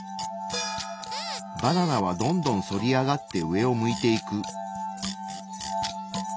バナナはどんどん反り上がって上を向いていく。